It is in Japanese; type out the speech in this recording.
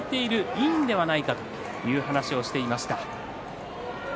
いいのではないかという話をしています。